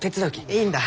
いいんだ！